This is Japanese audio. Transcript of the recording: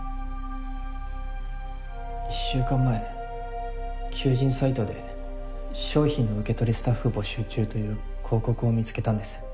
１週間前求人サイトで「商品の受け取りスタッフ募集中」という広告を見つけたんです。